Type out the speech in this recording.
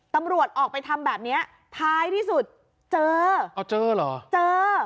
ตำรวจออกไปทำแบบเนี้ยท้ายที่สุดเจออ๋อเจอเหรอเจอ